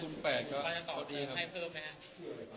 เดี๋ยวอ่ะเราจะตอบความใจให้เพิ่มไหมฮะ